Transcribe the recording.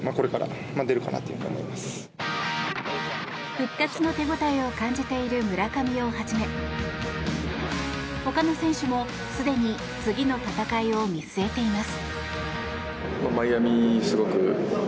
復活の手応えを感じている村上をはじめほかの選手もすでに次の戦いを見据えています。